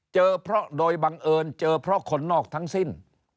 เจอเพราะโดยบังเอิญเจอเพราะคนนอกทั้งสิ้น